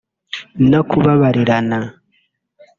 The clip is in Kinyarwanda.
no kubabarirana